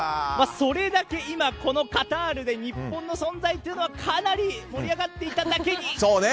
それだけ今、このカタールで日本の存在というのはかなり盛り上がっていただけに！